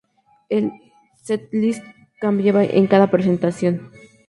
El Setlist cambiaba en cada presentación.